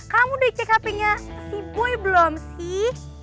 kamu udah di cek hp nya si boy belum sih